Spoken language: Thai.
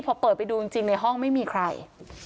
พอเปิดไปดูจริงในห้องไม่มีใคร